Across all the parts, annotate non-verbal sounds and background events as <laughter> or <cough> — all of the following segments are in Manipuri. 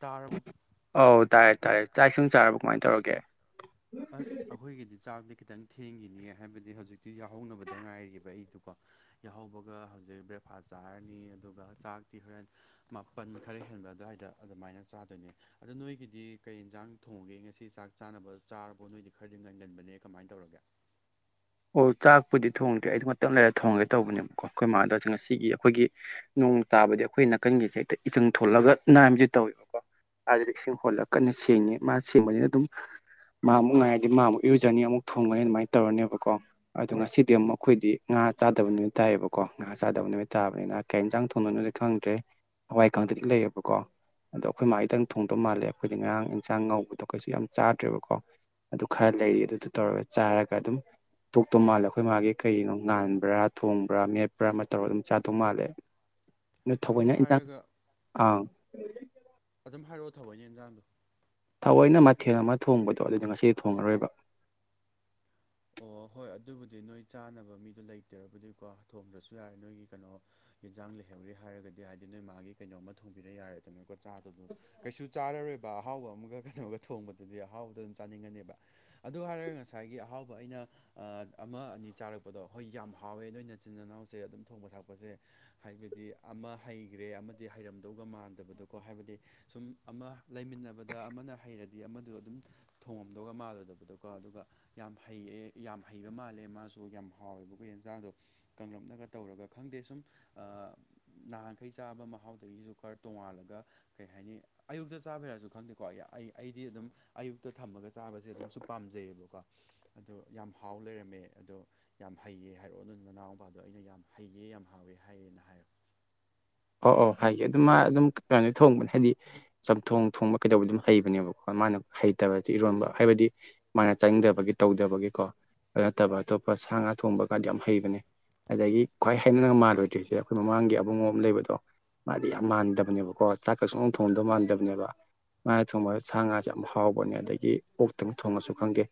ꯇꯥꯔꯕꯣ ꯑꯧ ꯇꯥꯔꯦ ꯇꯥꯔꯦ ꯆꯥꯏꯁꯤꯡ ꯆꯥꯔꯕꯣ ꯀꯃꯥꯏꯟ ꯇꯧꯔꯒꯦ ꯑꯁ ꯑꯩꯈꯣꯏꯒꯤꯗꯤ ꯆꯥꯛꯗꯤ ꯈꯤꯇꯪ ꯊꯦꯡꯒꯤꯅꯤ ꯍꯥꯏꯕꯗꯤ ꯍꯧꯖꯤꯛꯇꯤ ꯌꯥꯎꯍꯧꯅꯕꯗ ꯉꯥꯏꯔꯤꯑꯕ ꯑꯩꯗꯤꯀꯣ ꯌꯥꯍꯧꯕꯒ ꯍꯧꯖꯤꯛ ꯕ꯭ꯔꯦꯛꯐꯥꯁ ꯆꯥꯔꯅꯤ ꯑꯗꯨꯒ ꯆꯥꯛꯇꯤ ꯍꯣꯔꯦꯟ ꯃꯥꯄꯟ ꯈꯔ ꯍꯦꯟ ꯑꯗꯨꯋꯥꯏꯗ ꯑꯗꯨꯃꯥꯏꯅ ꯆꯥꯗꯣꯏꯅꯦ ꯑꯗꯣ ꯅꯣꯏꯒꯤꯗꯤ ꯀꯩ ꯌꯦꯟꯖꯥꯡ ꯊꯣꯡꯉꯒꯦ ꯉꯁꯤ ꯆꯥꯛ ꯆꯥꯅꯕ ꯆꯥꯔꯕꯣ ꯅꯣꯏꯗꯤ ꯈꯔꯗꯤ ꯉꯟꯒꯟꯕꯅꯦ ꯀꯃꯥꯏ ꯇꯧꯔꯒꯦ ꯑꯣ ꯆꯥꯛꯄꯨꯗꯤ ꯊꯣꯡꯗ꯭ꯔꯦ ꯑꯩ ꯃꯇꯝ ꯂꯩꯔ ꯊꯣꯡꯉꯒꯦ ꯇꯧꯕꯅꯦꯕꯀꯣ ꯑꯩꯈꯣꯏ ꯃꯥꯗꯣ ꯉꯁꯤꯒꯤ ꯑꯩꯈꯣꯏꯒꯤ ꯅꯨ ꯅꯣꯡ ꯇꯥꯕꯗꯤ ꯑꯩꯈꯣꯏ ꯅꯥꯀꯟꯒꯤꯁꯦ ꯍꯦꯛꯇ ꯏꯆꯪ ꯊꯣꯛꯂꯒ ꯅꯥꯟꯒꯦ ꯇꯧꯋꯦꯕꯀꯣ ꯑꯗꯤ ꯏꯁꯤꯡ ꯍꯣꯜꯂ ꯀꯟꯅ ꯁꯦꯡꯉꯦ ꯃꯥ ꯁꯦꯡꯕꯅꯤꯅ ꯑꯗꯨꯝ ꯃꯥ ꯑꯃꯨꯛ ꯉꯥꯏꯔꯗꯤ ꯃꯥ ꯑꯃꯨꯛ ꯏꯔꯨꯖꯅꯤ ꯑꯃꯨꯛ ꯊꯣꯡꯉꯅꯤ ꯑꯗꯨꯃꯥꯏꯅ ꯇꯧꯔꯅꯦꯕꯀꯣ ꯑꯗꯣ ꯉꯁꯤꯗꯤ ꯑꯃꯨꯛ ꯑꯩꯈꯣꯏꯗꯤ ꯉꯥ ꯆꯥꯗꯕ ꯅꯨꯃꯤꯠ ꯇꯥꯏꯌꯦꯕꯀꯣ ꯉꯥ ꯆꯥꯗꯕ ꯅꯨꯃꯤꯠ ꯇꯥꯕꯅꯤꯅ ꯀꯩ ꯏꯟꯁꯥꯡ ꯊꯣꯡꯅ ꯗꯤ ꯈꯪꯗ꯭ꯔꯦ ꯍꯋꯥꯏ ꯀꯥꯡꯇꯛꯇꯤꯗꯤ ꯂꯩꯌꯦꯕꯀꯣ ꯑꯗꯣ ꯑꯩꯈꯣꯏ ꯃꯥꯗꯪ ꯊꯣꯡꯗꯧ ꯃꯥꯜꯂꯦ ꯑꯩꯈꯣꯏꯗꯤ ꯉꯔꯥꯡ ꯏꯟꯁꯥꯡ ꯉꯧꯕꯗꯣ ꯀꯩꯁꯨ ꯌꯥꯝ ꯆꯥꯗ꯭ꯔꯦꯕꯀꯣ ꯑꯗꯨ ꯈꯔ ꯂꯩꯔꯤ ꯑꯗꯨꯗꯨ ꯇꯧꯔꯒ ꯆꯥꯔꯒ ꯑꯗꯨꯝ ꯇꯣꯛꯇꯧ ꯃꯥꯜꯂꯦ ꯑꯩꯈꯣꯏ ꯃꯥꯒꯤ ꯀꯩꯅꯣ ꯅꯥꯟꯕ꯭ꯔꯥ ꯊꯣꯡꯕ꯭ꯔꯥ ꯃꯦꯠꯄ꯭ꯔꯥ ꯃꯇꯧꯔꯒ ꯑꯗꯨꯝ ꯆꯥꯗꯧ ꯃꯥꯜꯂꯦ ꯑꯗꯨ ꯊꯧꯑꯣꯏꯅ ꯏꯟꯁꯥꯡ ꯍꯥꯏꯔꯒ ꯑꯥ ꯑꯗꯨꯝ ꯍꯥꯏꯔꯛꯑꯣ ꯊꯑꯣꯏꯅ ꯏꯟꯖꯥꯡꯗꯣ ꯊꯑꯣꯏꯅ ꯃꯊꯦꯜ ꯑꯃ ꯊꯣꯡꯕꯗꯣ ꯑꯗꯨꯗꯤ ꯉꯁꯤꯗꯤ ꯊꯣꯡꯉꯔꯣꯏꯕ ꯑꯣ ꯍꯣꯏ ꯑꯗꯨꯕꯨꯗꯤ ꯅꯣꯏ ꯆꯥꯅꯕ ꯃꯤꯗꯣ ꯂꯩꯇ꯭ꯔꯕꯨꯗꯤꯀꯣ ꯊꯣꯡꯗ꯭ꯔꯁꯨ ꯌꯥꯔꯦ ꯅꯣꯏꯒꯤ ꯀꯩꯅꯣ ꯌꯦꯟꯁꯥꯡ ꯂꯩꯍꯧꯔꯦ ꯍꯥꯏꯔꯒꯗꯤ ꯍꯥꯏꯗꯤ ꯅꯣꯏ ꯃꯥꯒꯤ ꯀꯩꯅꯣꯝꯃ ꯊꯣꯡꯕꯤꯔ ꯌꯥꯔꯦꯗꯅꯀꯣ ꯆꯥꯗꯗ ꯀꯩꯁꯨ ꯆꯥꯔꯔꯣꯏ ꯑꯣꯏꯕ ꯑꯍꯥꯎꯕ ꯑꯃꯒ ꯀꯩꯅꯣꯒ ꯊꯣꯡꯕꯗꯨꯗꯤ ꯑꯍꯥꯎꯕꯣ ꯑꯗꯨꯝ ꯆꯥꯅꯤꯡꯒꯅꯦꯕ ꯑꯗꯨ ꯍꯥꯏꯔꯒ ꯉꯁꯥꯏꯒꯤ ꯑꯍꯥꯎꯕ ꯑ ꯑꯩꯅ ꯑꯃ ꯑꯅꯤ ꯆꯥꯔꯛꯄꯗꯣ ꯍꯣꯏ ꯌꯥꯝ ꯍꯥꯎꯋꯦ ꯅꯣꯏ ꯏꯆꯤꯟꯜ ꯏꯅꯥꯎꯁꯦ ꯑꯗꯨꯝ ꯊꯣꯡꯕ ꯊꯥꯛꯄꯁꯦ ꯍꯥꯏꯕꯗꯤ ꯑꯃ ꯍꯩꯈ꯭ꯔꯦ ꯑꯃꯗꯤ ꯍꯩꯔꯝꯗꯧꯒ ꯃꯥꯟꯗꯕꯗꯣꯀꯣ ꯍꯥꯏꯕꯗꯤ ꯁꯨꯝ ꯑꯃ ꯂꯩꯃꯤꯟꯅꯕꯗ ꯑꯃꯅ ꯍꯩꯔꯗꯤ ꯑꯃꯗ ꯑꯗꯨꯝ ꯊꯣꯡꯉꯝꯗꯧꯒ ꯃꯥꯜꯂꯣꯏꯗꯕꯗꯣꯀꯣ ꯑꯗꯨꯒ ꯌꯥꯝ ꯍꯩꯌꯦꯦ ꯌꯥꯝ ꯍꯩꯕ ꯃꯥꯜꯂꯦ ꯃꯥꯁꯨ ꯌꯥꯝ ꯍꯥꯎꯋꯦꯕ ꯑꯩꯈꯣꯏ ꯌꯦꯟꯖꯥꯡꯗꯣ ꯀꯪꯂꯞꯅꯒ ꯇꯧꯔꯒ ꯈꯪꯗꯦ ꯁꯨꯝ ꯑꯥ ꯅꯍꯥꯟꯈꯩ ꯆꯥꯕ ꯃꯍꯥꯎꯗꯒꯤꯁꯨ ꯈꯔ ꯇꯣꯡꯉꯥꯜꯂꯒ ꯀꯩ ꯍꯥꯏꯅꯤ ꯑꯌꯨꯛꯇ ꯆꯥꯕꯤꯔꯛꯁꯨ ꯈꯪꯗꯦꯀꯣ ꯑꯩ ꯑꯩꯗꯤ ꯑꯗꯨꯝ ꯑꯌꯨꯛꯇ ꯊꯝꯃꯒ ꯆꯥꯕꯁꯦ ꯑꯗꯨꯝꯁꯨ ꯄꯥꯝꯖꯩꯌꯦꯕꯀꯣ ꯑꯗꯣ ꯌꯥꯝ ꯍꯥꯎ ꯂꯩꯔꯝꯃꯦ ꯑꯗꯣ ꯌꯥꯝ ꯍꯩꯌꯦ ꯍꯥꯏꯔꯛꯑꯣ ꯑꯗꯨ ꯅꯅꯥꯎꯄꯥꯗꯣ ꯑꯩꯅ ꯌꯥꯝ ꯍꯩꯌꯦ ꯌꯥꯝ ꯍꯥꯎꯋꯦ ꯍꯥꯏꯌꯦꯅ ꯍꯥꯏꯌꯣ <inaudible> ꯑꯣ ꯑꯧ ꯍꯥꯏꯒꯦ ꯑꯗꯨ ꯃꯥ ꯑꯗꯨꯝ ꯀꯩꯅꯣꯅꯤ ꯊꯣꯡꯕꯅꯦ ꯍꯥꯏꯗꯤ ꯆꯝꯊꯣꯡ ꯊꯣꯡꯕ ꯀꯩꯗꯧꯕ ꯑꯗꯨꯝ ꯍꯩꯕꯅꯦꯕꯀꯣ ꯃꯥꯅ ꯍꯩꯇꯕꯗꯤ ꯏꯔꯣꯟꯕ ꯍꯥꯏꯕꯗꯤ ꯃꯥꯅ ꯆꯪꯗꯕꯒꯤ ꯇꯧꯗꯕꯒꯤꯀꯣ ꯑꯗꯨ ꯅꯠꯇꯕ ꯑꯇꯣꯞꯄ ꯁꯥ ꯉꯥ ꯊꯣꯡꯕ ꯀꯥꯟꯗꯤ ꯌꯥꯝ ꯍꯩꯕꯅꯦ ꯑꯗꯒꯤ ꯈ꯭ꯋꯥꯏ ꯍꯩꯅ ꯃꯥꯜꯂꯣꯏꯗ꯭ꯔꯤꯁꯦ ꯑꯩꯈꯣꯏ ꯃꯃꯥꯡꯒꯤ ꯑꯕꯨꯡꯉꯣ ꯑꯃ ꯂꯩꯕꯗꯣ ꯃꯥꯗꯤ ꯌꯥꯝ ꯃꯥꯟꯗꯕꯅꯦꯕꯀꯣ ꯆꯥꯛꯀ ꯁꯨꯡꯅꯨꯡ ꯊꯣꯡꯗꯧ ꯃꯥꯟꯗꯕꯅꯦꯕ ꯃꯥꯅ ꯊꯣꯡꯕ ꯁꯥ ꯉꯥꯁꯦ ꯌꯥꯝ ꯍꯥꯎꯕꯅꯦ ꯑꯗꯒꯤ ꯑꯣꯛꯇꯪ ꯊꯣꯡꯉꯁꯨ ꯈꯪꯗꯦ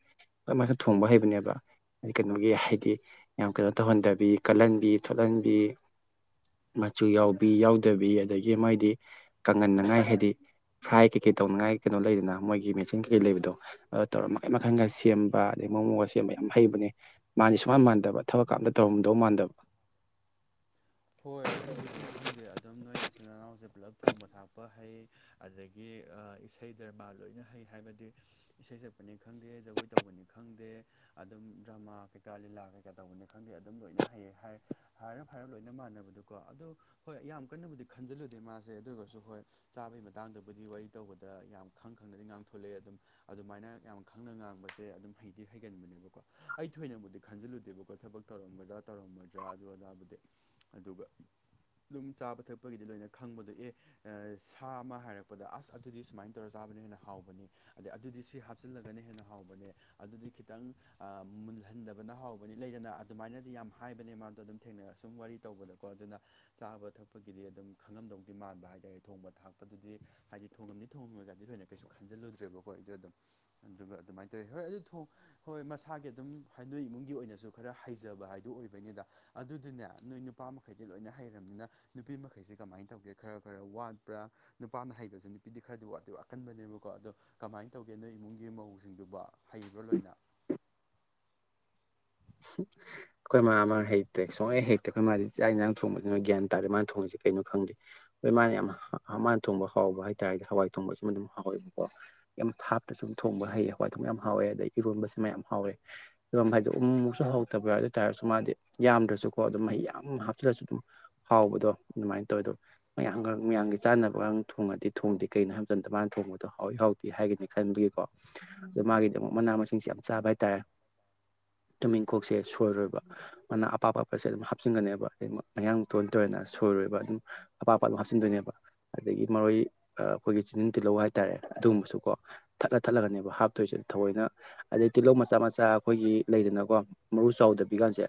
ꯑꯗꯨꯃꯥꯏꯅ ꯊꯣꯡꯕ ꯍꯩꯕꯅꯤ ꯀꯩꯅꯣꯒꯤ ꯍꯥꯏꯗꯤ ꯌꯥꯝ ꯀꯩꯅꯣ ꯇꯧꯍꯟꯗꯕꯤ ꯀꯜꯍꯟꯕꯤ ꯊꯣꯠꯂꯟꯕꯤ ꯃꯆꯨ ꯌꯥꯎꯕꯤ ꯌꯥꯎꯗꯕꯤ ꯑꯗꯒꯤ ꯃꯥꯏꯗꯤ ꯀꯪꯍꯟꯅꯉꯥꯏ ꯍꯥꯏꯗꯤ ꯐ꯭ꯔꯥꯏ ꯀꯩꯀꯩ ꯇꯧꯅꯉꯥꯏ ꯀꯩꯅꯣ ꯂꯩꯗꯅ ꯃꯣꯏꯒꯤ ꯃꯦꯆꯤꯟ ꯀꯩꯀꯩ ꯂꯩꯕꯗꯣ ꯇꯧꯔ ꯃꯈꯟ ꯃꯈꯟꯒ ꯁꯦꯝꯕ ꯑꯗꯒꯤ ꯃꯣꯃꯣ ꯁꯦꯝꯕ ꯃꯌꯥꯝ ꯍꯩꯕꯅꯦ ꯃꯥꯁꯦ ꯁꯨꯃꯥꯟ ꯃꯥꯟꯗꯕ ꯊꯕꯛ ꯀ ꯑꯃꯇ ꯇꯧꯔꯝꯗꯧ ꯃꯥꯟꯗꯕ <inaudible> ꯍꯣꯏ ꯑꯗꯨꯕꯨꯗꯤ ꯈꯪꯗꯦ ꯑꯗꯨꯝ ꯅꯣꯏ ꯏꯆꯤꯟꯜ ꯏꯅꯥꯎꯁꯦ ꯄꯨꯜꯂꯞ ꯊꯣꯡꯕ ꯊꯥꯛꯄ ꯍꯩ ꯑꯗꯒꯤ ꯑ ꯏꯁꯩ ꯗꯔꯃ ꯂꯣꯏꯅ ꯍꯩ ꯍꯥꯏꯕꯗꯤ ꯏꯁꯩ ꯁꯛꯄꯅꯤ ꯈꯪꯗꯦ ꯖꯒꯣꯏ ꯇꯧꯕꯅꯤ ꯈꯪꯗꯦ ꯑꯗꯨꯝ ꯗ꯭ꯔꯃꯥ ꯀꯩꯀ ꯂꯤꯂ ꯇꯧꯕꯅꯤ ꯈꯪꯗꯦ ꯑꯗꯨꯝ ꯂꯣꯏꯅ ꯍꯩ ꯍꯥꯏ ꯍꯥꯏꯔꯞ ꯍꯥꯏꯔꯞ ꯂꯣꯏ ꯃꯟꯅꯕꯗꯨꯀꯣ ꯑꯗꯣ ꯍꯣꯏ ꯌꯥꯝ ꯀꯟꯅꯕꯨꯗꯤ ꯈꯟꯖꯤꯜꯂꯨꯗꯦ ꯃꯥꯁꯦ ꯑꯗꯨ ꯑꯣꯏꯔꯒꯁꯨ ꯍꯣꯏ ꯆꯥꯕꯒꯤ ꯃꯇꯥꯡꯗꯕꯨꯗꯤ ꯋꯥꯔꯤ ꯇꯧꯕꯗ ꯌꯥꯝ ꯈꯪ ꯈꯪꯅꯗꯤ ꯉꯥꯡꯊꯣꯂꯛꯑꯦ ꯑꯗꯨꯝ ꯑꯗꯨꯃꯥꯏꯅ ꯌꯥꯝ ꯈꯪꯅ ꯉꯥꯡꯕꯁꯦ ꯑꯗꯨꯝ ꯍꯩꯗꯤ ꯍꯩ ꯀꯦꯟꯕꯅꯦꯕꯀꯣ ꯑꯩ ꯊꯣꯏꯅꯕꯨꯗꯤ ꯈꯟꯖꯤꯜꯂꯨꯗꯦꯕꯀꯣ ꯊꯕꯛ ꯇꯧꯔꯝꯗ꯭ꯔꯥ ꯇꯧꯔꯝꯃꯣꯏꯗ꯭ꯔꯥ ꯑꯗꯨ ꯑꯗꯥꯕꯨꯗꯤ ꯑꯗꯨꯒ ꯗꯨꯝ ꯆꯥꯕ ꯊꯛꯄꯒꯤꯗꯤ ꯂꯣꯏꯅ ꯈꯪꯕꯗꯣ ꯑꯦ ꯁꯥ ꯑꯃ ꯍꯥꯏꯔꯛꯄꯗ ꯑꯁ ꯑꯗꯨꯗꯤ ꯁꯨꯃꯥꯏꯅ ꯇꯧꯔ ꯆꯥ ꯍꯦꯟꯅ ꯍꯥꯎꯕꯅꯤ ꯑꯗ ꯑꯗꯨꯗꯤ ꯁꯤ ꯍꯥꯞꯆꯤꯜꯂꯒꯅ ꯍꯦꯟꯅ ꯍꯥꯎꯕꯅꯦ ꯑꯗꯨꯗꯤ ꯈꯤꯇꯪ ꯃꯨꯜ ꯃꯨꯜꯍꯟꯗꯕꯅ ꯍꯥꯎꯕꯅꯤ ꯂꯩꯗꯅ ꯑꯗꯨꯃꯥꯏꯅꯗꯤ ꯌꯥꯝ ꯍꯥꯏꯕꯅꯦ ꯃꯥꯗꯣ ꯑꯗꯨꯝ ꯊꯦꯡꯅꯔꯁꯨ ꯑꯗꯨꯝ ꯋꯥꯔꯤ ꯇꯧꯕꯗꯀꯣ ꯑꯗꯨꯅ ꯆꯥꯕ ꯊꯛꯄꯒꯤꯗꯤ ꯑꯗꯨꯝ ꯈꯪꯉꯝꯗꯧꯗꯤ ꯃꯥꯟꯕ ꯍꯥꯏꯇꯥꯔꯦ ꯊꯣꯡꯕ ꯊꯥꯛꯄꯗꯨꯗꯤ ꯍꯥꯏꯗꯤ ꯊꯣꯡꯉꯝꯗꯤ ꯊꯣꯡꯉꯝꯃꯒꯗꯤ ꯊꯣꯏꯅ ꯀꯩꯁꯨ ꯈꯟꯖꯤꯜꯂꯨꯗ꯭ꯔꯦꯕꯀꯣ ꯑꯩꯗꯣ ꯑꯗꯨꯝ ꯑꯗꯨꯒ ꯑꯗꯨꯃꯥꯏ ꯇꯧꯋꯤ ꯍꯣꯏ ꯑꯗꯨ ꯍꯣꯏ ꯃꯁꯥꯒꯤ ꯑꯗꯨꯝ ꯍ ꯅꯣꯏ ꯏꯃꯨꯡꯒꯤ ꯑꯣꯏꯅꯁꯨ ꯈꯔ ꯍꯩꯖꯕ ꯍꯥꯏꯗꯨ ꯑꯣꯏꯕꯅꯤꯗ ꯑꯗꯨꯗꯨꯅꯦ ꯅꯣꯏ ꯅꯨꯄꯥ ꯃꯈꯩꯗꯤ ꯂꯣꯏꯅ ꯍꯩꯔꯕꯅꯤꯅ ꯅꯨꯄꯤ ꯃꯈꯩꯁꯦ ꯀꯃꯥꯏꯅ ꯇꯧꯒꯦ ꯈꯔ ꯈꯔ ꯋꯥꯠꯄ꯭ꯔꯥ ꯅꯨꯄꯥ ꯍꯩꯕꯁꯦ ꯅꯨꯄꯤꯗꯤ ꯈꯔꯗꯤ ꯋꯥ ꯋꯥꯀꯟꯕꯅꯦꯕꯀꯣ ꯑꯗꯣ ꯀꯃꯥꯏꯅ ꯇꯧꯒꯦ ꯅꯣꯏ ꯏꯃꯨꯡꯒꯤ ꯃꯧꯁꯤꯡꯗꯨꯕ ꯍꯩꯕ꯭ꯔꯥ ꯂꯣꯏꯅ <inaudible> ꯑꯩꯈꯣꯏ ꯃꯥ ꯃꯥ ꯍꯩꯇ꯭ꯔꯦ ꯁꯨꯡꯍꯩ ꯍꯩꯇꯦ ꯑꯩꯈꯣꯏ ꯃꯥꯁꯦ ꯆꯥꯛ ꯏꯟꯁꯥꯡ ꯊꯣꯡꯕꯁꯤꯅ ꯒ꯭ꯌꯥꯟ ꯇꯥꯗ꯭ꯔꯦ ꯃꯥꯅ ꯊꯣꯡꯕꯁꯦ ꯀꯩꯅꯣ ꯈꯪꯗꯦ ꯍꯣꯏ ꯃꯥꯅ ꯌꯥꯝ ꯃꯥꯅ ꯊꯣꯡꯕ ꯍꯥꯎꯕ ꯍꯥꯏꯇꯥꯥꯔꯗꯤ ꯍꯋꯥꯏ ꯊꯣꯡꯕꯁꯤꯃ ꯑꯗꯨꯝ ꯍꯥꯎꯋꯦꯕꯀꯣ ꯀꯦꯝ ꯊꯥꯛꯇꯁꯨꯨ ꯊꯣꯡꯕ ꯍꯥꯎꯌꯦ ꯍꯋꯥꯏ ꯊꯣꯡꯕ ꯌꯥꯝ ꯍꯥꯎꯋꯦ ꯑꯗꯩ ꯏꯔꯣꯟꯕꯁꯨ ꯃꯌꯥꯝ ꯍꯥꯎꯋꯦ ꯏꯔꯣꯟꯕ ꯍꯥꯏꯁꯦ ꯑꯃꯨꯃꯨꯛꯁꯨ ꯍꯥꯎꯇꯕ ꯌꯥꯎꯋꯦ ꯑꯗꯨꯇꯥꯔꯁꯨ ꯃꯥꯗꯤ ꯌꯥꯝꯗ꯭ꯔꯁꯨꯀꯣ ꯑꯗꯨꯝ ꯃꯍꯤ ꯌꯥꯝ ꯍꯥꯞꯆꯤꯜꯂꯁꯨ ꯑꯗꯨꯝ ꯍꯥꯎꯕꯗꯣ ꯑꯗꯨꯃꯥꯏꯅ ꯇꯧꯋꯦ ꯑꯗꯣ ꯃꯌꯥꯝꯒ ꯃꯌꯥꯝꯒꯤ ꯆꯥꯅꯕꯒ ꯊꯣꯡꯉꯗꯤ ꯊꯣꯡꯗꯦ ꯀꯩꯅꯣ ꯍꯥꯏꯕ ꯃꯇꯝꯗ ꯃꯥꯅ ꯊꯣꯡꯕꯗꯣ ꯍꯥꯎꯋꯦ ꯍꯥꯎꯇꯦ ꯍꯥꯏꯒꯅꯤ ꯈꯟꯕꯒꯤꯀꯣ ꯑꯗꯨ ꯃꯥꯒꯤꯗꯤ ꯑꯃꯨꯛ ꯃꯅꯥ ꯃꯁꯤꯡꯁꯦ ꯌꯥꯝ ꯆꯥꯕ ꯍꯥꯏꯇꯥꯔꯦ ꯇꯨꯅꯤꯟꯈꯣꯛꯁꯦ ꯁꯣꯏꯔꯣꯏꯕ ꯃꯅꯥ ꯑꯄꯥꯛ ꯑꯄꯥꯛꯄꯁꯦ ꯑꯗꯨꯝ ꯍꯥꯞꯆꯤꯟꯒꯅꯤꯕ ꯑꯗꯒꯤ ꯃꯌꯥꯡ ꯇꯣꯟ ꯇꯧꯔꯦꯅ ꯁꯣꯏꯔꯣꯏꯕ ꯑꯗꯨꯝ ꯑꯄꯥꯛ ꯑꯄꯥꯛ ꯑꯗꯨꯝ ꯍꯥꯞꯆꯤꯟꯗꯣꯏꯅꯦꯕ ꯑꯗꯒꯤ ꯃꯔꯣꯏ ꯑꯩꯈꯣꯏꯒꯤ ꯆꯤꯅꯤꯟ ꯇꯤꯜꯍꯧ ꯍꯥꯏꯇꯥꯔꯦ ꯑꯗꯨꯒꯨꯝꯕꯁꯨꯀꯣ ꯊꯠꯂ ꯊꯠꯂꯒꯅꯦꯕ ꯍꯥꯞꯇꯣꯏꯁꯦ ꯊꯑꯣꯏꯅ ꯑꯗꯩ ꯇꯤꯜꯍꯧ ꯃꯆꯥ ꯃꯆꯥ ꯑꯩꯈꯣꯏꯒꯤ ꯂꯩꯗꯅꯀꯣ ꯃꯔꯨ ꯆꯥꯎꯗꯕꯤ ꯀꯥꯁꯦ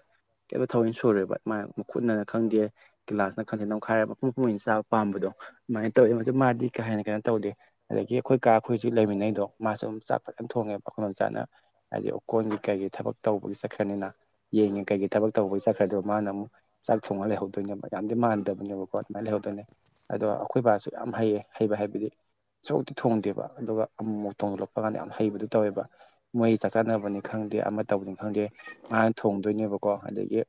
ꯀꯩꯝꯇ ꯊꯑꯣꯏꯅ ꯁꯨꯔꯣꯏꯕ ꯃꯥ ꯃꯈꯨꯠꯅ ꯈꯪꯗꯦ ꯒꯤꯂꯥꯁꯅ ꯈꯪꯗꯦꯅ ꯅꯃꯈꯥꯏꯔ ꯃꯄꯨꯝ ꯃꯄꯨꯝ ꯑꯣꯏꯅ ꯆꯥꯕ ꯄꯥꯝꯕꯗꯣ ꯑꯗꯨꯃꯥꯏꯅ ꯇꯧꯋꯦꯕꯗꯨ ꯃꯥꯗꯤ ꯀꯥ ꯍꯦꯟꯅ ꯀꯩꯅꯣ ꯇꯧꯗꯦ ꯑꯗꯒꯤ ꯑꯩꯈꯣꯏ ꯀꯥ ꯑꯩꯈꯣꯏꯁꯨ ꯂꯩꯃꯤꯟꯅꯩꯗꯣ ꯃꯥꯁꯨ ꯆꯥꯛ ꯐꯖꯅ ꯊꯣꯡꯉꯦꯕ ꯑꯈꯣꯏꯗꯣꯜꯆꯥꯅ ꯍꯥꯏꯗꯤ ꯑꯣꯀꯣꯟꯒꯤ ꯀꯩꯒꯤ ꯊꯕꯛ ꯇꯧꯕꯒꯤ ꯆꯠꯈ꯭ꯔꯅꯤꯅ ꯌꯦꯟꯒꯤ ꯀꯩꯒꯤ ꯊꯕꯛ ꯇꯧꯕꯒꯤ ꯆꯠꯈ꯭ꯔꯦꯗꯣ ꯃꯥꯅ ꯑꯃꯨꯛ ꯆꯥꯛ ꯊꯣꯡꯉ ꯂꯩꯍꯧꯗꯣꯏꯅꯦꯕ ꯃꯥꯟꯗꯕꯅꯦꯕꯀꯣ ꯑꯗꯨꯃꯥꯏꯅ ꯂꯩꯍꯧꯕꯅꯦ ꯑꯗꯣ ꯑꯩꯈꯣꯏ ꯕꯥꯁꯨ ꯌꯥꯝ ꯍꯩꯌꯦ ꯍꯩꯕ ꯍꯥꯏꯕꯗꯤ ꯁꯣꯛꯇꯤ ꯊꯣꯡꯗꯦꯕ ꯑꯗꯨꯒ ꯑꯃꯨꯛꯃꯨꯛ ꯊꯣꯡꯂꯛꯄ ꯀꯥꯟꯗ ꯌꯥꯝ ꯍꯩꯕꯗꯨ ꯇꯧꯋꯦꯕ ꯃꯣꯏ ꯆꯥꯛ ꯆꯥꯅꯕꯅꯤ ꯈꯪꯗꯦ ꯑꯃ ꯇꯧꯕꯅꯤ ꯈꯪꯗꯦ ꯃꯥꯅ ꯊꯣꯡꯗꯣꯏꯅꯦꯕꯀꯣ ꯑꯗꯒꯤ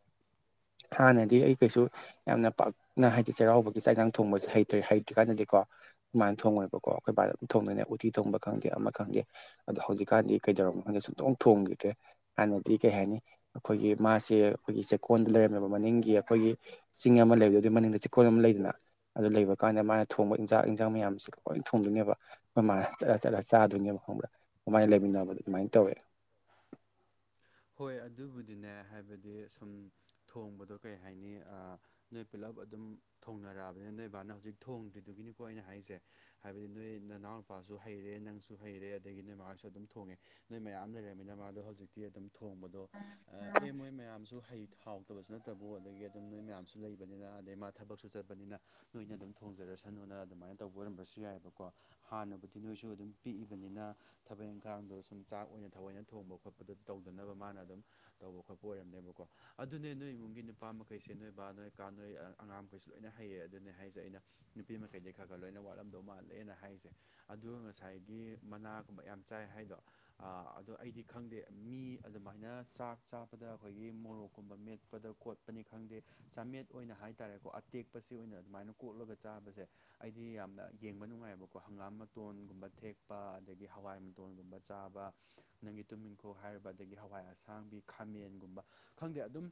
ꯍꯥꯟꯅꯗꯤ ꯑꯩ ꯀꯩꯁꯨ ꯌꯥꯝꯅ ꯄꯥꯛꯅ ꯍꯥꯏꯗꯤ ꯆꯩꯔꯥꯎꯕꯒꯤ ꯆꯥꯛꯏꯟꯖꯥꯡ ꯊꯣꯡꯕꯁꯦ ꯍꯩꯇ꯭ꯔꯦ ꯍꯩꯇ꯭ꯔꯤ ꯀꯥꯟꯗꯗꯤ ꯀꯣ ꯑꯩꯈꯣꯏꯃꯥꯅ ꯊꯣꯡꯉꯣꯏꯕꯀꯣ ꯑꯩꯈꯣꯏ ꯕꯥꯅ ꯊꯣꯡꯗꯣꯏꯅꯦ ꯎꯇꯤ ꯊꯣꯡꯕ ꯈꯪꯗꯦ ꯑꯃ ꯈꯪꯗꯦ ꯑꯗꯣ ꯍꯧꯖꯤꯛꯀꯥꯟꯗꯤ ꯀꯩꯗꯧꯔꯕꯅꯣ ꯈꯪꯗꯦ ꯁꯨꯛꯊꯣꯡ ꯊꯣꯡꯈꯤꯗ꯭ꯔꯦ ꯍꯥꯟꯅꯗꯤ ꯀꯩ ꯍꯥꯏꯅꯤ ꯑꯩꯈꯣꯏꯒꯤ ꯃꯥꯁꯦ ꯑꯩꯈꯣꯏꯒꯤ ꯆꯦꯛꯀꯣꯟꯗ ꯂꯩꯔꯝꯃꯤꯕ ꯃꯅꯤꯡꯒꯤ ꯑꯩꯈꯣꯏꯒꯤ ꯆꯤꯡ ꯑꯃ ꯂꯩꯕꯗꯨ ꯑꯗꯨꯒꯤ ꯃꯅꯤꯡꯗ ꯆꯦꯛꯀꯣꯟ ꯑꯃ ꯂꯩꯗꯅ ꯑꯗꯨ ꯂꯩꯕ ꯀꯥꯟꯗ ꯃꯥꯅ ꯊꯣꯡꯕ ꯏꯟꯖꯥꯛ ꯏꯟꯖꯥꯡ ꯃꯌꯥꯝꯁꯤ ꯂꯣꯏꯅ ꯊꯣꯡꯗꯣꯏꯅꯦꯕ ꯑꯩꯈꯣꯏ ꯃꯥꯅ ꯆꯠꯂ ꯆꯠꯂ ꯆꯥꯗꯣꯏꯅꯦꯕ ꯈꯪꯕ꯭ꯔꯥ ꯑꯗꯨꯃꯥꯏꯅ ꯂꯩꯃꯤꯟꯅꯕꯗ ꯑꯗꯨꯃꯥꯏꯅ ꯇꯧꯋꯦ ꯍꯣꯏ ꯑꯗꯨꯕꯨꯗꯤꯅꯦ ꯍꯥꯏꯕꯗꯤ ꯁꯨꯝ ꯊꯣꯡꯕꯗꯣ ꯀꯩ ꯍꯥꯏꯅꯤ ꯅꯣꯏ ꯄꯨꯂꯞ ꯑꯗꯨꯝ ꯊꯣꯡꯅꯔꯛꯑꯕꯅꯤꯅ ꯅꯣꯏ ꯏꯕꯥꯅ ꯍꯧꯖꯤꯛ ꯊꯣꯡꯗ꯭ꯔꯤꯗꯨꯒꯤꯅꯤꯀꯣ ꯑꯩꯅ ꯍꯥꯏꯔꯤꯁꯦ ꯍꯥꯏꯕꯗꯤ ꯅꯣꯏ ꯅꯅꯥꯎ ꯃꯄꯥꯁꯨ ꯍꯩꯔꯦ ꯅꯪꯁꯨ ꯍꯩꯔꯦ ꯑꯗꯒꯤ ꯅꯣꯏ ꯃꯥꯁꯨ ꯑꯗꯨꯝ ꯊꯣꯡꯉꯦ ꯅꯣꯏ ꯃꯌꯥꯝ ꯂꯩꯔꯝꯃꯤꯅ ꯃꯥꯗꯣ ꯍꯧꯖꯤꯛꯇꯤ ꯑꯗꯨꯝ ꯊꯣꯡꯕꯗꯣ ꯑꯦ ꯃꯣꯏ ꯃꯌꯥꯝꯁꯨ ꯍꯩ ꯊꯥꯎ ꯇꯕꯁꯨ ꯅꯠꯇꯕꯨ ꯑꯗꯒꯤ ꯑꯗꯨꯝ ꯅꯣꯏ ꯃꯌꯥꯝꯁꯨ ꯂꯩꯕꯅꯤꯅ ꯑꯗꯩ ꯃꯥ ꯊꯕꯛ ꯁꯨ ꯆꯠꯄꯅꯤꯅ ꯅꯣꯏꯅ ꯑꯗꯨꯝ ꯊꯣꯡꯖꯔꯁꯅꯨ ꯅ ꯑꯗꯨꯃꯥꯏꯅ ꯇꯧꯕ ꯑꯣꯏꯔꯝꯕꯁꯨ ꯌꯥꯏꯑꯕꯀꯣ ꯍꯥꯟꯅꯕꯨꯗꯤ ꯅꯣꯏꯁꯨ ꯑꯗꯨꯝ ꯄꯤꯛꯏꯕꯅꯤꯅ ꯊꯕꯛ ꯏꯪꯈꯥꯡꯗꯣ ꯁꯨꯝ ꯆꯥꯛ ꯑꯣꯏꯅ ꯊꯑꯣꯏꯅ ꯊꯣꯡꯕ ꯈꯣꯠꯄꯗꯣ ꯇꯧ ꯅꯕ ꯃꯥꯅ ꯑꯗꯨꯝ ꯇꯧꯕ ꯈꯣꯠꯄ ꯑꯣꯏꯔꯝꯅꯦꯕꯀꯣ ꯑꯗꯨꯅꯦ ꯅꯣꯏ ꯏꯃꯨꯡꯒꯤ ꯅꯨꯄꯥ ꯃꯈꯩꯁꯦ ꯅꯣꯏ ꯕꯥ ꯅꯣꯏ ꯀꯥ ꯅꯣꯏ ꯑꯩ ꯑꯉꯥꯡꯈꯩꯁꯨ ꯂꯣꯏꯅ ꯍꯩꯌꯦ ꯑꯗꯨꯅꯦ ꯍꯥꯏꯁꯦ ꯑꯩꯅ ꯅꯨꯄꯤ ꯃꯈꯩꯗꯤ ꯈꯔ ꯈꯔ ꯂꯣꯏꯅ ꯋꯥꯠꯂꯝꯗꯧ ꯃꯥꯜꯂꯦꯅ ꯍꯥꯏꯁꯦ ꯑꯗꯨꯒ ꯉꯁꯥꯏꯒꯤ ꯃꯅꯥꯒꯨꯝꯕ ꯌꯥꯝ ꯆꯥꯏ ꯍꯥꯏꯗꯣ ꯑꯗꯣ ꯑꯩꯗꯤ ꯈꯪꯗꯦ ꯃꯤ ꯑꯗꯨꯃꯥꯏꯅ ꯆꯥꯛ ꯆꯥꯕꯗ ꯑꯩꯈꯣꯏꯒꯤ ꯃꯣꯔꯣꯛꯀꯨꯝꯕ ꯃꯦꯠꯄꯗ ꯀꯣꯠꯄꯅꯤ ꯈꯪꯗꯦ ꯆꯥꯃꯦꯠ ꯑꯣꯏꯅ ꯍꯥꯏ ꯍꯥꯏꯇꯥꯥꯔꯦꯀꯣ ꯑꯇꯦꯛꯄꯁꯤ ꯑꯣꯏꯅ ꯑꯗꯨꯃꯥꯏꯅ ꯀꯣꯛꯠꯂꯒ ꯆꯥꯕꯁꯦ ꯑꯩꯗꯤ ꯌꯥꯝꯅ ꯌꯦꯡꯕ ꯅꯨꯉꯥꯏꯑꯦꯕꯀꯣ ꯍꯪꯒꯥꯝ ꯃꯇꯣꯟꯒꯨꯝꯕ ꯊꯦꯛꯄ ꯑꯗꯒꯤ ꯍꯋꯥꯏ ꯃꯇꯣꯟꯒꯨꯝꯕ ꯆꯥꯕ ꯅꯪꯒꯤ ꯇꯨꯅꯤꯡꯈꯣꯛ ꯍꯥꯏꯔꯤꯕ ꯑꯗꯒꯤ ꯍꯋꯥꯏ ꯑꯁꯥꯡꯕꯤ ꯈꯥꯃꯦꯟꯒꯨꯝꯕ ꯈꯪꯗꯦ ꯑꯗꯨꯝ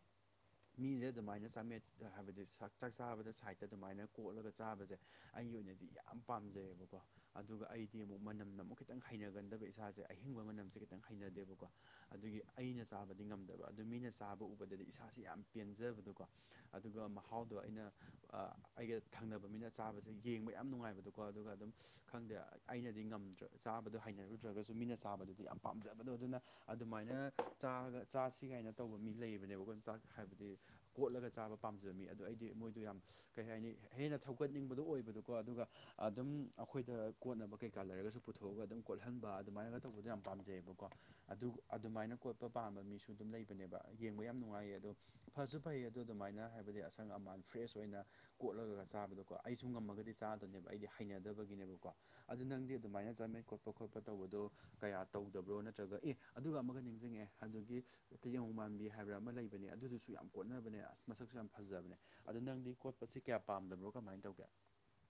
ꯃꯤꯁꯦ ꯑꯗꯨꯃꯥꯏꯅ ꯆꯥꯃꯦꯠ ꯍꯥꯏꯕꯗꯤ ꯁ ꯆꯥꯛ ꯆꯥꯕꯗ ꯁꯥꯏꯠꯇ ꯑꯗꯨꯃꯥꯏꯅ ꯀꯣꯠꯂꯒ ꯆꯥꯕꯁꯦ ꯑꯩ ꯑꯩꯒꯤ ꯑꯣꯏꯅꯗꯤ ꯌꯥꯝ ꯄꯥꯝꯖꯩꯌꯦꯕꯀꯣ ꯑꯗꯨꯒ ꯑꯩꯗꯤ ꯑꯃꯨꯛ ꯃꯅꯝꯅ ꯑꯃꯨꯛ ꯈꯤꯇꯪ ꯍꯩꯅꯒꯟꯗꯕ ꯏꯁꯥꯁꯦ ꯑꯍꯤꯡꯕ ꯃꯅꯝꯁꯦ ꯈꯤꯇꯪ ꯍꯩꯅꯗꯦꯕꯀꯣ ꯑꯗꯨꯒꯤ ꯑꯩꯅ ꯆꯥꯕꯗꯤ ꯉꯝꯗꯕ ꯑꯗꯨ ꯃꯤꯅ ꯆꯥꯕ ꯎꯕꯗꯗꯤ ꯏꯁꯥꯥꯁꯦ ꯌꯥꯝ ꯄꯦꯟꯖꯕꯗꯣꯀꯣ ꯑꯗꯨꯒ ꯃꯍꯥꯎꯗꯣ ꯑꯩꯅ ꯑꯩꯒ ꯊꯪꯅꯕ ꯃꯤꯅ ꯆꯥꯕꯁꯦ ꯌꯦꯡꯕ ꯌꯥꯝ ꯅꯨꯡꯉꯥꯏꯕꯗꯣꯀꯣ ꯑꯗꯨꯒ ꯑꯗꯨꯝ ꯈꯪꯗꯦ ꯑꯩꯅꯗꯤ ꯉꯝꯗ꯭ꯔꯦ ꯆꯥꯕꯗꯣ ꯍꯩꯅꯔꯨꯗ꯭ꯔꯒꯁꯨ ꯃꯤꯅ ꯆꯥꯕꯗꯨꯗꯤ ꯌꯥꯝ ꯄꯥꯝꯖꯕꯗꯣ ꯑꯗꯨꯅ ꯑꯗꯨꯃꯥꯏꯅ ꯆꯥꯒ ꯆꯥꯁꯤ ꯀꯥꯏꯅ ꯇꯧꯕ ꯃꯤ ꯂꯩꯕꯅꯦꯕꯀꯣ ꯆꯥꯛ ꯍꯥꯏꯕꯗꯤ ꯀꯣꯠꯂꯒ ꯆꯥꯕ ꯄꯝ ꯄꯥꯝꯖꯃꯤ ꯑꯗꯣ ꯑꯩꯗꯤ ꯃꯣꯏꯗꯣ ꯌꯥꯝ ꯀꯩ ꯍꯥꯏꯅꯤ ꯍꯦꯟꯅ ꯊꯧꯒꯠꯅꯤꯡꯕꯗꯣ ꯑꯣꯏꯕꯗꯣꯀꯣ ꯑꯗꯨꯒ ꯑꯗꯨꯝ ꯑꯩꯈꯣꯏꯗ ꯀꯣꯠꯅꯕ ꯀꯩꯀꯥ ꯂꯩꯔꯒꯁꯨ ꯄꯨꯊꯣꯛꯑꯒ ꯑꯗꯨꯝ ꯀꯣꯠꯍꯟꯕ ꯑꯗꯨꯃꯥꯏꯅꯒ ꯇꯧꯕꯗꯣ ꯌꯥꯝ ꯄꯥꯝꯖꯩꯑꯕꯀꯣ ꯑꯗꯨ ꯑꯗꯨꯃꯥꯏꯅ ꯀꯣꯠꯄ ꯄꯥꯝꯕ ꯃꯤꯁꯨ ꯑꯗꯨꯝ ꯂꯩꯕꯅꯦꯕ ꯌꯦꯡꯕ ꯌꯥꯝ ꯅꯨꯡꯉꯥꯏꯌꯦ ꯑꯗꯣ ꯐꯁꯨ ꯐꯩꯌꯦ ꯑꯗꯨ ꯑꯗꯨꯃꯥꯏ ꯑꯁꯪ ꯑꯃꯥꯟ ꯐ꯭ꯔꯦꯁ ꯑꯣꯏꯅ ꯀꯣꯠꯂꯒ ꯆꯥꯕꯗꯣ ꯀꯣ ꯑꯩꯁꯨ ꯉꯝꯃꯒꯗꯤ ꯆꯥꯗꯣꯏꯅꯦꯕ ꯑꯩꯗꯤ ꯍꯩꯅꯗꯕ ꯕꯒꯤꯅꯦꯕꯀꯣ ꯑꯗꯨ ꯅꯪꯗꯤ ꯑꯗꯨꯃꯥꯏꯅ ꯆꯠꯃꯤꯟ ꯈꯣꯠꯄ ꯈꯣꯠꯄ ꯇꯧꯕꯗꯣ ꯀꯌꯥ ꯇꯧꯗꯕ꯭ꯔꯣ ꯅꯠꯇ꯭ꯔꯒ ꯑꯦ ꯑꯗꯨꯒ ꯑꯃꯒ ꯅꯤꯡꯁꯤꯡꯉꯛꯑꯦ ꯑꯗꯨꯒꯤ ꯌꯣꯡ ꯃꯥꯟꯕꯤ ꯍꯥꯏꯕꯔꯥ ꯑꯃ ꯂꯩꯕꯅꯦ ꯑꯗꯨꯗꯨꯁꯨ ꯌꯥꯝ ꯀꯣꯠꯅꯕꯅꯦ ꯑꯁ ꯃꯁꯛꯁꯨ ꯌꯥꯝ ꯐꯖꯕꯅꯦ ꯑꯗꯣ ꯅꯪꯗꯤ ꯀꯣꯠꯄꯁꯤ ꯀꯌꯥ ꯄꯥꯝꯗꯕ꯭ꯔꯣ ꯀꯃꯥꯏ ꯇꯧꯒꯦ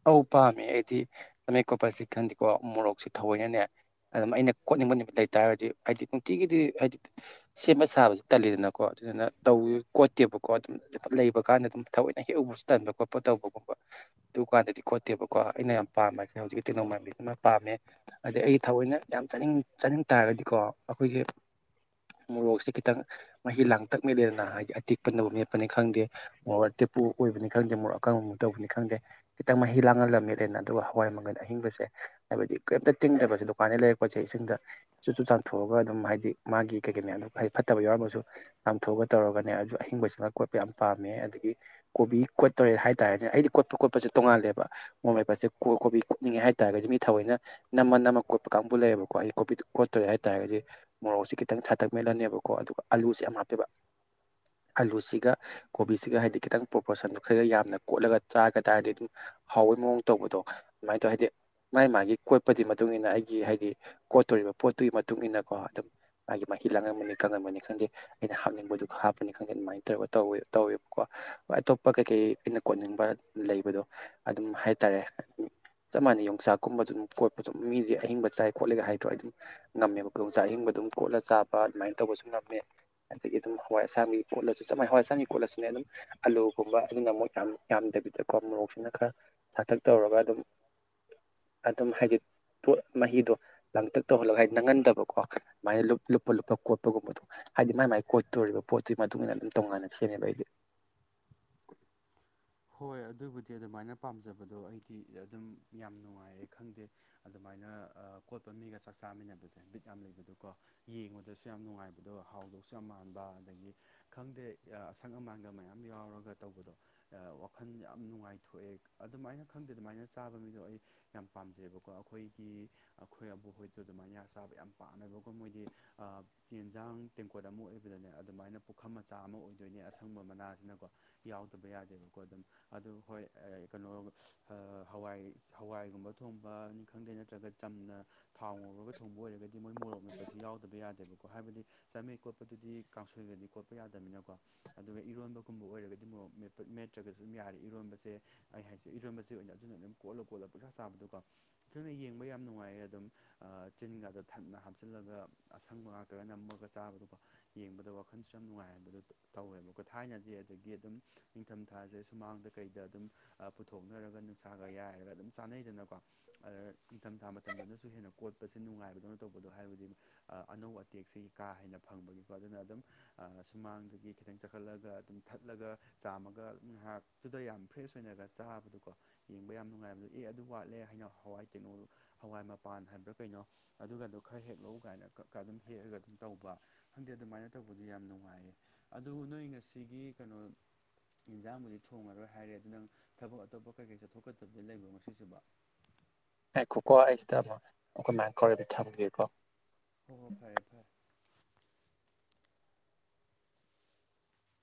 ꯑꯧ ꯄꯥꯝꯃꯦ ꯑꯩꯗꯤ ꯑꯃꯦꯠ ꯀꯣꯄꯔꯁꯤꯛ ꯈꯟꯗꯤꯀꯣ ꯎꯃꯣꯔꯣꯛꯁꯤ ꯊꯑꯣꯏꯅꯅꯦ ꯑꯗꯨꯝ ꯑꯩꯅ ꯀꯣꯠꯅꯤꯡꯕ ꯅꯨꯃꯤꯠ ꯂꯩꯇꯥꯥꯔꯗꯤ ꯍꯥꯏꯗꯤ ꯅꯨꯡꯇꯤꯒꯤꯗꯤ ꯍꯥꯏꯗꯤ ꯁꯦꯝꯕ ꯁꯥꯕꯁꯤ ꯇꯜꯂꯤꯗꯅꯀꯣ ꯑꯗꯨꯅ ꯇꯧꯋ ꯀꯣꯠꯇꯦꯕꯀꯣ ꯑꯗꯨꯝ ꯂ ꯂꯩꯕ ꯀꯥꯟꯗ ꯑꯗꯨꯝ ꯊꯑꯣꯏꯅ ꯍꯦꯛ ꯎꯕꯁꯨ ꯇꯟꯕ ꯈꯣꯠꯄ ꯇꯧꯕ ꯀꯣꯠꯄ ꯑꯗꯨꯀꯥꯟꯗꯗꯤ ꯀꯣꯠꯇꯦꯕꯀꯣ ꯑꯩꯅ ꯌꯥꯝ ꯄꯥꯝꯕ ꯍꯥꯏꯁꯦ ꯍꯧꯖꯤꯛꯀꯤ ꯇꯦꯡꯅꯧ ꯃꯟꯕꯤꯁꯤꯃ ꯄꯥꯝꯃꯦ ꯑꯗꯩ ꯑꯩ ꯊꯑꯣꯏꯅ ꯌꯥꯝ ꯆꯥꯅꯤꯡ ꯆꯥꯅꯤꯡ ꯇꯥꯔꯒꯗꯤꯀꯣ ꯑꯩꯈꯣꯏꯒꯤ ꯃꯣꯔꯣꯛꯁꯦ ꯈꯤꯇꯪ ꯃꯍꯤ ꯂꯥꯡꯇꯛ ꯃꯦꯂꯦꯗꯅ ꯍꯥꯏꯗꯤ ꯑꯇꯤꯛꯄ ꯅꯕꯨ ꯃꯦꯠꯄꯅꯤ ꯈꯪꯗꯦ ꯃꯣꯔꯣꯛ ꯑꯣꯏꯕꯅꯤ ꯈꯪꯗꯦ ꯃꯣꯔꯣꯛ ꯑꯀꯥꯡꯕ ꯇꯧꯕꯅꯤ ꯈꯪꯗꯦ ꯈꯤꯇꯪ ꯃꯍꯤ ꯂꯥꯡꯍꯜꯂ ꯃꯦꯇꯂꯦꯗꯅ ꯑꯗꯨꯒ ꯍꯋꯥꯏ ꯃꯪꯒꯜ ꯑꯍꯤꯡꯕꯁꯦ ꯍꯥꯏꯕꯗꯤ ꯀꯩꯝꯇ ꯇꯤꯡꯗꯕꯁꯦ ꯗꯨꯀꯥꯟꯗꯩ ꯂꯩꯔꯛꯄꯁꯦ ꯁꯤꯡꯗ ꯆꯨꯞ ꯆꯨꯞ ꯆꯥꯝꯊꯣꯛꯑꯒ ꯑꯗꯨꯝ ꯍꯥꯏꯗꯤ ꯃꯥꯒꯤ ꯀꯩ ꯀꯩ ꯃꯌꯝꯗꯣ ꯍꯥꯏꯗꯤ ꯐꯠꯇꯕ ꯌꯥꯎꯔꯒꯁꯨ ꯆꯥꯝꯊꯣꯛꯑꯒ ꯇꯧꯔꯒ ꯅꯦ ꯑꯗꯨ ꯑꯍꯤꯡꯕꯁꯤꯅ ꯀꯣꯠꯄ ꯌꯥꯝ ꯄꯥꯝꯃꯦ ꯑꯗꯒꯤ ꯀꯣꯕꯤ ꯀꯣꯠꯇꯧꯔꯦ ꯍꯥꯏꯇꯥꯔꯦꯅꯦ ꯑꯩꯗꯤ ꯀꯣꯠꯄ ꯀꯣꯠꯄ ꯇꯣꯉꯥꯜꯂꯦꯕ ꯃꯣꯔꯣꯛ ꯃꯦꯄꯠꯁꯦ ꯀꯣꯕꯤ ꯀꯣꯠꯅꯤꯡꯉꯦ ꯍꯥꯏꯇꯥꯔꯒꯗꯤ ꯃꯤ ꯊꯑꯣꯏꯅ ꯅꯝꯃ ꯅꯝꯃ ꯀꯣꯠꯄ ꯀꯥꯡꯕꯨ ꯂꯩꯌꯦꯕꯀꯣ ꯀꯣ ꯑꯩ ꯀꯣꯕꯤꯗꯨꯣ ꯀꯣꯠꯇꯧꯔꯦ ꯍꯥꯏꯇꯥꯔꯒꯗꯤ ꯃꯣꯔꯣꯛꯁꯦ ꯈꯤꯇꯪ ꯁꯥꯠꯇꯛ ꯃꯦꯠꯂꯅꯦꯕꯀꯣ ꯑꯗꯨꯒ ꯑꯂꯨꯁꯦ ꯌꯥꯝ ꯍꯥꯞꯄꯦꯕ ꯑꯂꯨꯁꯤꯒ ꯀꯣꯕꯤꯁꯤꯒ ꯍꯥꯏꯗꯤ ꯈꯤꯇꯪ ꯄ꯭ꯔꯣꯄꯣꯔꯁꯟꯗꯣ ꯈꯔꯒ ꯌꯥꯝꯅ ꯀꯣꯠꯂꯒ ꯆꯥꯒ ꯇꯥꯔꯗꯤ ꯑꯗꯨꯝ ꯍꯥꯎꯕꯩ ꯃꯑꯣꯡ ꯇꯧꯕꯗꯣ ꯑꯗꯨꯃꯥꯏꯅ ꯇꯧꯋꯦ ꯍꯥꯏꯗꯤ ꯃꯥꯥꯏ ꯃꯥꯒꯤ ꯀꯣꯠꯄꯒꯤ ꯃꯇꯨꯡꯏꯟꯅ ꯑꯩꯒꯤ ꯍꯥꯏꯗꯤ ꯀꯣꯠꯇꯧꯔꯤꯕ ꯄꯣꯠꯇꯨꯒꯤ ꯃꯇꯨꯡ ꯏꯟꯅꯀꯣ ꯑꯗꯨꯝ ꯑꯩꯒꯤ ꯃꯍꯤ ꯂꯥꯡꯍꯟꯕꯅꯤ ꯀꯪꯍꯟꯕꯅꯤ ꯈꯪꯗꯦ ꯑꯩꯅ ꯍꯥꯞꯅꯤꯡꯕꯗꯨꯒ ꯍꯥꯞꯄꯅꯤ ꯈꯪꯗꯦ ꯑꯗꯨꯃꯥꯏ ꯇꯔꯒ ꯇꯧꯋꯦ ꯇꯧꯋꯦꯕꯀꯣ ꯑꯇꯣꯞꯄ ꯀꯩꯀꯩ ꯑꯩꯅ ꯀꯣꯅꯤꯡꯕ ꯂꯩꯕꯗꯣ ꯑꯗꯨꯝ ꯍꯥꯏꯇꯥꯔꯦ ꯆꯞ ꯃꯥꯟꯅꯩ ꯌꯣꯡꯆꯥꯛꯀꯨꯝꯕꯁꯨ ꯑꯗꯨꯝ ꯈꯣꯠꯄ ꯑꯗꯨꯝ ꯃꯤꯗꯤ ꯑꯍꯤꯡꯕ ꯆꯥꯏ ꯈꯣꯠꯂꯦꯒ ꯍꯥꯏꯗ꯭ꯔꯣ ꯑꯩ ꯑꯗꯨꯝ ꯉꯝꯃꯦꯕ ꯌꯣꯡꯆꯥꯛ ꯑꯍꯤꯡ ꯑꯗꯨꯝ ꯀꯣꯠꯂ ꯆꯥꯕ ꯑꯗꯨꯃꯥꯏꯅ ꯇꯧꯕꯁꯨ ꯉꯝꯃꯦ ꯑꯗꯒꯤ ꯑꯗꯨꯝ ꯍꯋꯥꯏ ꯑꯁꯥꯡꯕꯤ ꯀꯣꯠꯂꯁꯨ ꯆꯞꯅꯩ ꯍꯋꯥꯏ ꯑꯁꯥꯡꯒꯤ ꯈꯣꯠꯂꯁꯨꯅꯦ ꯑꯗꯨꯝ ꯑꯂꯨꯒꯨꯝꯕ ꯑꯗꯨ ꯒ ꯑꯃꯨꯛ ꯌꯥꯝ ꯕꯤꯇꯀꯣ ꯃꯣꯔꯣꯛꯁꯤꯅ ꯈꯔ ꯁꯥꯛꯇꯛ ꯇꯧꯔꯒ ꯑꯗꯨꯝ ꯑꯗꯨꯝ ꯍꯥꯏꯗꯤ ꯄꯣꯠ ꯃꯍꯤꯗꯣ ꯂꯥꯡꯇꯛ ꯇꯧꯍꯜꯂꯒ ꯍꯥꯏ ꯅꯪꯍꯟꯗꯕꯀꯣ ꯑꯗꯨꯃꯥꯏ ꯂꯨꯞꯄ ꯂꯨꯞꯄꯒ ꯀꯣꯠꯄꯒꯨꯝꯕꯗꯣ ꯍꯥꯏꯗꯤ ꯃꯥꯏ ꯃꯥꯏ ꯀꯣꯠꯇꯧꯔꯤꯕ ꯄꯣꯠꯇꯨꯒꯤ ꯃꯇꯨꯡ ꯏꯟꯅ ꯑꯗꯨꯝ ꯇꯣꯡꯉꯥꯟꯅ ꯁꯦꯝꯃꯦꯕ ꯑꯩꯗꯤ <inaudible> ꯍꯣꯏ ꯑꯗꯨꯕꯨꯗꯤ ꯑꯗꯨꯃꯥꯏꯅ ꯄꯥꯝꯖꯕꯗꯣ ꯑꯩꯗꯤ ꯑꯗꯨꯝ ꯌꯥꯝ ꯅꯨꯡꯉꯥꯏꯌꯦ ꯈꯪꯗꯦ ꯑꯗꯨꯃꯥꯏꯅ ꯀꯣꯠꯄ ꯃꯤꯒ ꯆꯥꯛ ꯆꯥꯃꯤꯟꯅꯕꯁꯦ ꯕꯤꯠ ꯌꯥꯝꯅ ꯂꯩꯕꯗꯣꯀꯣ ꯌꯦꯡꯕꯗꯁꯨ ꯌꯥꯝ ꯅꯨꯡꯉꯥꯏꯕꯗꯣ ꯍꯥꯎꯗꯧꯁꯨ ꯌꯥꯝ ꯥꯃꯥꯟꯕ ꯑꯗꯒꯤ ꯈꯪꯗꯦ ꯑꯁꯪ ꯑꯃꯥꯟꯒ ꯃꯌꯥꯝ ꯌꯥꯎꯔꯒ ꯇꯧꯕꯗꯣ <inaudible> ꯑ ꯋꯥꯈꯜ ꯌꯥꯝ ꯅꯨꯡꯉꯥꯏꯊꯣꯛꯑꯦ ꯑꯗꯨꯃꯥꯏꯅ ꯈꯪꯗꯦ ꯑꯗꯨꯃꯥꯏꯅ ꯆꯥꯕ ꯃꯤꯗꯣ ꯑꯩ ꯌꯥꯝ ꯄꯥꯝꯖꯩꯑꯦꯕꯀꯣ ꯑꯩꯈꯣꯏꯒꯤ ꯑꯩꯈꯣꯏ ꯑꯕꯣꯛ ꯍꯣꯏꯗꯣ ꯑꯗꯨꯃꯥꯏꯅ ꯆꯥꯕ ꯌꯥꯝ ꯄꯥꯝꯃꯦꯕꯀꯣ ꯃꯣꯏꯗꯤ ꯑꯥ ꯌꯦꯟꯁꯥꯡ ꯇꯦꯡꯀꯣꯠ ꯑꯃ ꯑꯣꯏꯕꯗꯨꯅꯦ ꯑꯗꯨꯃꯥꯏꯅ ꯄꯨꯈꯝ ꯃꯆꯥ ꯑꯃ ꯑꯣꯏꯗꯣꯏꯅꯦ ꯑꯁꯪꯕ ꯃꯅꯥꯖꯤꯅꯀꯣ ꯌꯥꯎꯗꯕ ꯌꯥꯗꯦ <inaudible> ꯑꯗꯨ ꯍꯣꯏ ꯀꯩꯅꯣ ꯍꯋꯥꯏ ꯍꯋꯥꯏꯒꯨꯝꯕ ꯊꯣꯡꯕꯅꯤ ꯈꯪꯗꯦ ꯅꯠꯇ꯭ꯔꯒ ꯆꯝꯅ ꯊꯥꯎ ꯉꯧꯔꯒ ꯊꯣꯡꯕ ꯑꯣꯏꯔꯒꯗꯤ ꯃꯣꯏ ꯃꯣꯔꯣꯛ ꯃꯦꯠꯄꯁꯤ ꯌꯥꯎꯗꯕ ꯌꯥꯗꯦꯕ ꯍꯥꯏꯕꯗꯤ ꯆꯥꯃꯦ ꯀꯣꯠꯄꯗꯨꯗꯤ ꯀꯥꯡꯁꯣꯏꯒꯅꯤ ꯀꯣꯠꯄ ꯌꯥꯗꯕꯅꯤꯅꯀꯣ ꯑꯗꯨꯒ ꯏꯔꯣꯟꯕꯒꯨꯝꯕ ꯑꯣꯏꯔꯒꯗꯤ ꯃꯣꯔꯣꯛ ꯃꯦꯠꯄ ꯃꯦꯠꯇ꯭ꯔꯒꯁꯨ ꯑꯗꯨꯝ ꯌꯥꯔꯦ ꯏꯔꯣꯟꯕꯁꯦ ꯑꯩ ꯍꯥꯏꯁꯦ ꯏꯔꯣꯟꯕꯁꯦ ꯑꯣꯏꯅ ꯑꯗꯨꯅ ꯑꯗꯨꯝ ꯀꯣꯠꯂ ꯀꯣꯠꯂ ꯄꯡꯆꯥ ꯆꯥꯕꯗꯣꯀꯣ ꯑꯗꯨꯅ ꯌꯦꯡꯕ ꯌꯥꯝ ꯅꯨꯡꯉꯥꯏꯌꯦ ꯑꯗꯨꯝ ꯆꯤꯟꯒꯗꯣ ꯊꯟꯅ ꯍꯥꯞꯆꯜꯂꯒ ꯑꯁꯪꯕ ꯉꯥꯛꯇꯒꯅ ꯅꯝꯕ ꯒ ꯆꯥꯕꯗꯣꯀꯣ ꯌꯦꯡꯕꯗ ꯋꯥꯈꯜꯁꯨ ꯌꯥꯝ ꯅꯨꯡꯉꯥꯏꯍꯟꯕꯗꯣ ꯇꯧꯋꯦꯕꯀꯣ ꯊꯥꯏꯅꯗꯤ ꯑꯗꯒꯤ ꯑꯗꯨꯝ ꯅꯤꯡꯊꯝꯊꯥꯁꯦ ꯁꯨꯃꯥꯡꯗ ꯀꯩꯗ ꯑꯗꯨꯝ ꯄꯨꯊꯣꯛ ꯅꯔꯒ ꯅꯨꯡꯁꯥꯒ ꯌꯥꯏꯔꯒ ꯑꯗꯨꯝ ꯆꯥꯅꯩꯗꯅꯀꯣ ꯑꯗ ꯅꯤꯡꯊꯝꯊꯥ ꯃꯇꯝꯗꯅꯁꯨ ꯍꯦꯟꯅ ꯀꯣꯠ ꯁꯤ ꯅꯨꯡꯉꯥꯏꯕꯗꯧꯅ ꯇꯧꯕꯗꯣ ꯍꯥꯏꯕꯗꯤ ꯑꯅꯧ ꯑꯇꯦꯛꯁꯦ ꯀꯥ ꯍꯦꯟꯅ ꯐꯪꯕꯒꯤꯀꯣ ꯑꯗꯨꯅ ꯑꯗꯨꯝ ꯁꯨꯃꯥꯡꯗꯒꯤ ꯈꯤꯇꯪ ꯆꯈꯠꯂꯒ ꯑꯗꯨꯝ ꯊꯠꯂꯒ ꯆꯥꯝꯃꯒ ꯉꯥꯏꯍꯥꯛꯇꯨꯗ ꯌꯥꯝ ꯐ꯭ꯔꯦꯁ ꯑꯣꯏꯅꯒ ꯆꯥꯕꯗꯣꯀꯣ ꯌꯦꯡꯕ ꯌꯥꯝ ꯅꯨꯡꯉꯥꯏꯕꯗꯣ ꯑꯦ ꯑꯗꯨ ꯋꯥꯠꯂꯦ ꯍꯥꯏ ꯍꯋꯥꯏ ꯀꯤꯅꯣꯗꯣ ꯍꯋꯥꯏ ꯃꯄꯥꯟ ꯍꯥꯏꯕ꯭ꯔꯥ ꯀꯩꯅꯣ ꯑꯗꯨꯒꯗꯣ ꯈꯔ ꯍꯦꯛꯂꯛꯎ ꯀꯥꯏꯅ ꯈꯔ ꯈꯔ ꯑꯗꯨꯝ ꯍꯦꯛꯑꯒ ꯑꯗꯨ ꯇꯧꯕ ꯈꯪꯗꯦ ꯑꯗꯨꯃꯥꯏꯅ ꯇꯧꯕꯗꯨ ꯌꯥꯝ ꯅꯨꯡꯉꯥꯏꯌꯦ ꯑꯗꯨ ꯅꯣꯏ ꯉꯁꯤꯒꯤ ꯀꯩꯅꯣ ꯏꯟꯖꯥꯡꯕꯨꯗꯤ ꯊꯣꯡꯉꯔꯣꯏ ꯍꯥꯏꯔꯦ ꯑꯗꯨ ꯅꯪ ꯊꯕꯛ ꯑꯇꯣꯞꯄ ꯀꯩꯀꯩ ꯆꯠꯊꯣꯛꯀꯗꯕꯗꯤ ꯂꯩꯕ꯭ꯔꯣ ꯉꯁꯤꯁꯤꯕꯨ ꯉꯥꯢꯈꯣꯀꯣ ꯑꯩꯁꯤꯗ ꯑꯃꯨꯛ ꯑꯩꯈꯣꯏ ꯢꯃꯥ ꯀꯣꯏꯔꯩꯕꯤ ꯊꯝꯈꯤꯒꯦꯀꯣ ꯍꯣꯍꯣ ꯐꯔꯦ ꯐꯔꯦ